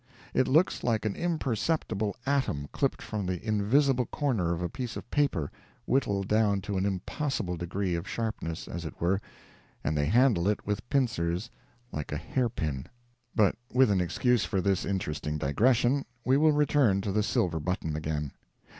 It looks like an imperceptible atom clipped from the invisible corner of a piece of paper whittled down to an impossible degree of sharpness—as it were—and they handle it with pincers like a hair pin. But with an excuse for this interesting digression, we will return to the silver button again.